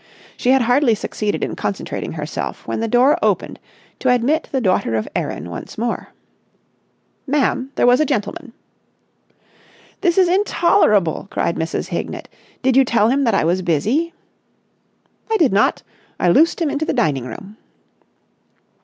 She had hardly succeeded in concentrating herself when the door opened to admit the daughter of Erin once more. "Ma'am, there was a gentleman." "This is intolerable!" cried Mrs. Hignett. "Did you tell him that I was busy?" "I did not. I loosed him into the dining room."